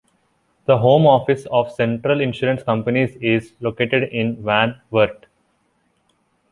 The home office of Central Insurance Companies is located in Van Wert.